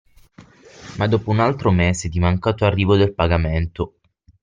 Ma dopo un altro mese di mancato arrivo del pagamento